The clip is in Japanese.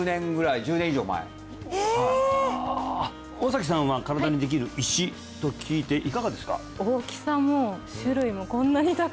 ええ桜咲さんは身体にできる石と聞いていかがですか？